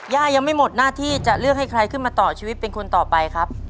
ย่ายังไม่หมดหน้าที่จะเลือกให้ใครขึ้นมาต่อชีวิตเป็นคนต่อไปครับ